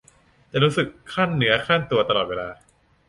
จะรู้สึกครั่นเนื้อครั่นตัวตลอดเวลา